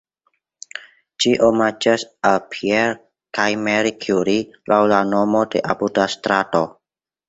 Ĝi omaĝas al Pierre kaj Marie Curie laŭ la nomo de apuda strato.